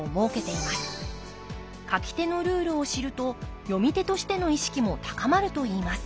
書き手のルールを知ると読み手としての意識も高まるといいます